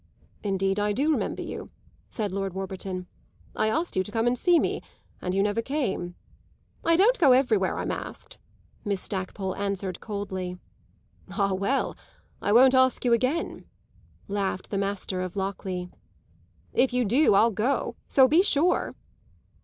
"Indeed I do remember you," said Lord Warburton. "I asked you to come and see me, and you never came." "I don't go everywhere I'm asked," Miss Stackpole answered coldly. "Ah well, I won't ask you again," laughed the master of Lockleigh. "If you do I'll go; so be sure!"